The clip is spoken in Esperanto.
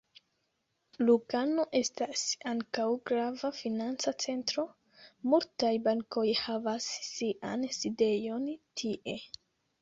Lugano estas ankaŭ grava financa centro: multaj bankoj havas sian sidejon tie.